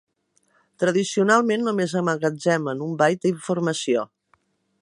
Tradicionalment només emmagatzemen un bit d'informació.